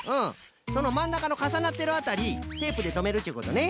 そのまんなかのかさなってるあたりテープでとめるっちゅうことね。